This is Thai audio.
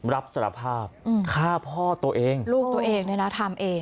รับสารภาพฆ่าพ่อตัวเองลูกตัวเองเนี่ยนะทำเอง